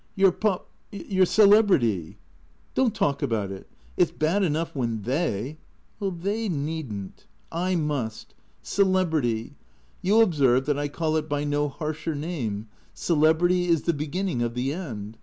" Your pop — your celebrity." " Don't talk about it. It 's bad enough when they "" They need n't. I must. Celebrity — you observe that I call it by no harsher name — celebrity is the beginning of the end.